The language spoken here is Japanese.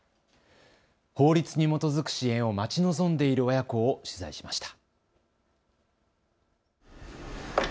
法律に基づく支援を待ち望んでいる親子を取材しました。